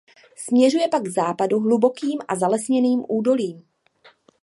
Směřuje pak k západu hlubokým a zalesněným údolím.